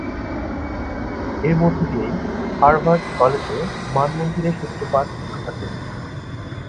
এর মধ্যে দিয়েই হার্ভার্ড কলেজ মানমন্দিরের সূত্রপাত ঘটে।